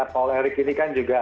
paul erick ini kan juga